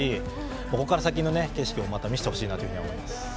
ここから先の景色をまた見せてほしいなと思います。